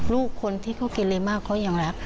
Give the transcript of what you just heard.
ลูกคนที่เขากินเลมากเขายังรัก